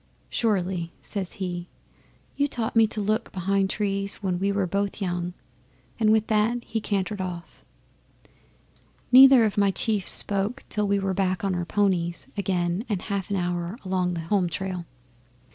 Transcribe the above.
'"Surely," says he. "You taught me to look behind trees when we were both young." And with that he cantered off. 'Neither of my chiefs spoke till we were back on our ponies again and a half hour along the home trail.